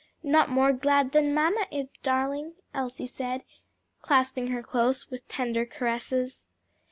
"Not more glad than mamma is, darling," Elsie said, clasping her close with tender caresses.